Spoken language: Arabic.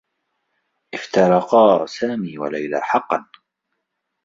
افترقا سامي و ليلى حقّا.